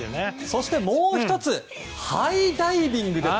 そして、もう１つハイダイビングです。